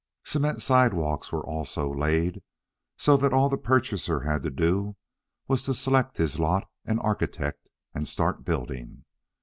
Cement sidewalks were also laid, so that all the purchaser had to do was to select his lot and architect and start building.